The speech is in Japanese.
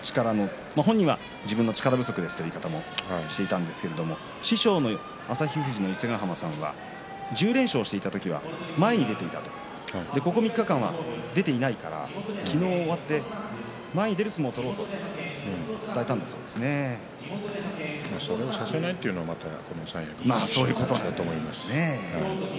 本人は自分の力不足ですという言い方をしていましたが師匠の旭富士の伊勢ヶ濱さんは１０連勝していた時は前に出ていたとここ３日間は出ていないから昨日、終わって前に出る相撲を取れとそれをさせないというのが三役の力士なんですよ。